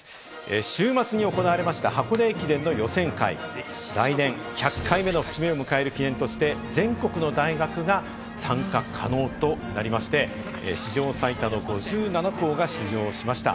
週末に行われた箱根駅伝の予選会、来年１００回目の節目を迎える記念として、全国の大学が参加可能となりまして、史上最多の５７校が出場しました。